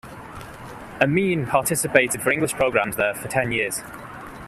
Ameen participated in English programmes there for ten years.